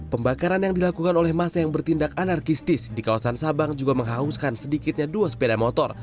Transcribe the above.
pembakaran yang dilakukan oleh masa yang bertindak anarkistis di kawasan sabang juga menghanguskan sedikitnya dua sepeda motor